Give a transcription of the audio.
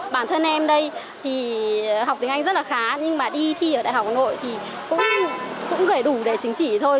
bản thân em đây thì học tiếng anh rất là khá nhưng mà đi thi ở đại học hà nội thì cũng phải đủ để chứng chỉ thôi